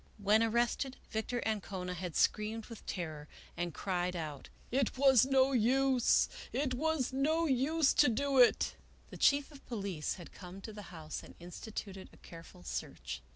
When ar rested, Victor Ancona had screamed with terror, and cried out, " It was no use ! it was no use to do it !" The Chief of Police had come to the house and instituted a careful search.